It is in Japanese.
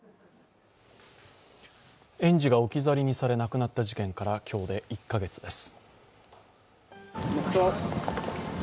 園児が置き去りにされ亡くなった事件から今日で１か月です。